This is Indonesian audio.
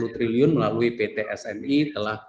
sepuluh triliun melalui pt smi telah